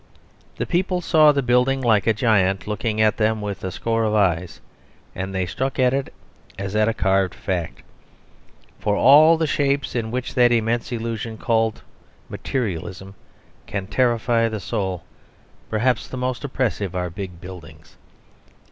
The people saw the building like a giant looking at them with a score of eyes, and they struck at it as at a carved fact. For of all the shapes in which that immense illusion called materialism can terrify the soul, perhaps the most oppressive are big buildings.